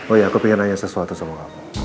oh ya aku ingin nanya sesuatu sama kamu